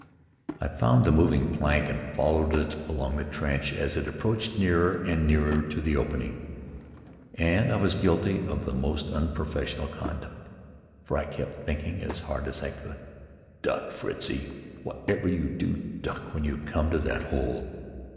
I found the moving plank and followed it along the trench as it approached nearer and nearer to the opening; and I was guilty of the most unprofessional conduct, for I kept thinking, as hard as I could, "Duck, Fritzie! Whatever you do, duck when you come to that hole!"